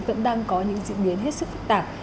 vẫn đang có những diễn biến hết sức phức tạp